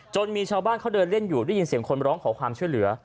มีชาวบ้านเขาเดินเล่นอยู่ได้ยินเสียงคนร้องขอความช่วยเหลือ